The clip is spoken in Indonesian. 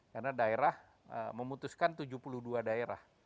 karena daerah memutuskan tujuh puluh dua daerah